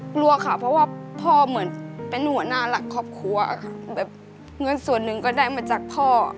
กลัวค่ะเพราะว่าพ่อเหมือนเป็นหัวหน้าหลักครอบครัวค่ะแบบเงินส่วนหนึ่งก็ได้มาจากพ่อ